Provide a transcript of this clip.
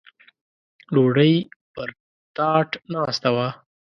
بوډۍ پر تاټ ناسته وه.